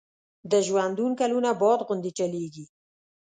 د ژوندون کلونه باد غوندي چلیږي